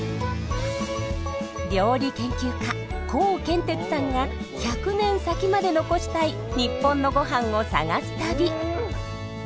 料理研究家コウケンテツさんが１００年先まで残したい日本のゴハンを探す旅。